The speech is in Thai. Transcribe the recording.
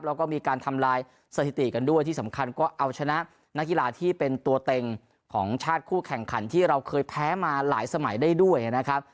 แล้วก็มีการทำลายสถิติกันด้วยที่สำคัญก็เอาชนะนักกีฬาที่เป็นตัวเต็งของชาติคู่แข่งขันที่เราเคยแพ้มาหลายสมัยได้ด้วยนะครับ